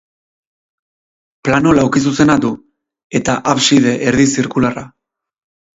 Plano laukizuzena du, eta abside erdi-zirkularra.